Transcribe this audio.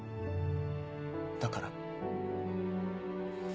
だから。